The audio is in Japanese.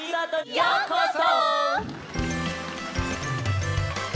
ようこそ！